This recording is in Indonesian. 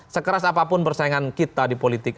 sekeras apapun persaingan kita di politik